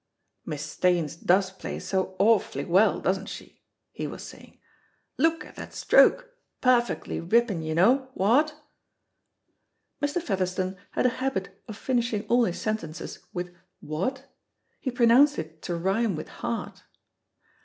"Miss Staines does play so arfly well, doesn't she?" he was saying. "Look at that stroke, perfectly rippin' you know, what?" Mr. Featherstone had a habit of finishing all his sentences with "what?" He pronounced it to rhyme with heart.